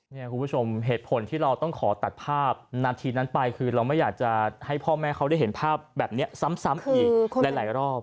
คุณผู้ชมเหตุผลที่เราต้องขอตัดภาพนาทีนั้นไปคือเราไม่อยากจะให้พ่อแม่เขาได้เห็นภาพแบบนี้ซ้ำอีกหลายรอบ